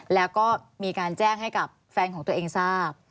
แล้วก็มีการแจ้งให้กับแฟนของตัวเองทราบ